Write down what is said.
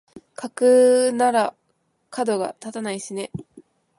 架空ならかどが立たないしね